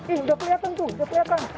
ini udah kelihatan tuh udah kelihatan